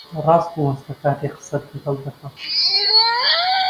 ڕاست بوەستە کاتێک قسەت لەگەڵ دەکەم!